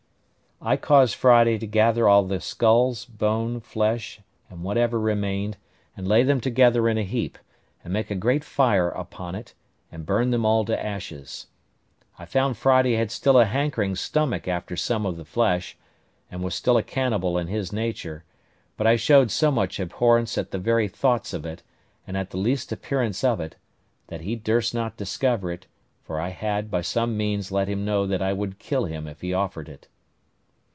I caused Friday to gather all the skulls, bones, flesh, and whatever remained, and lay them together in a heap, and make a great fire upon it, and burn them all to ashes. I found Friday had still a hankering stomach after some of the flesh, and was still a cannibal in his nature; but I showed so much abhorrence at the very thoughts of it, and at the least appearance of it, that he durst not discover it: for I had, by some means, let him know that I would kill him if he offered it.